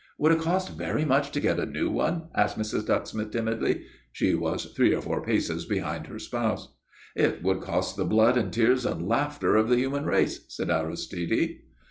"Would it cost very much to get a new one?" asked Mrs. Ducksmith, timidly. She was three or four paces behind her spouse. "It would cost the blood and tears and laughter of the human race," said Aristide.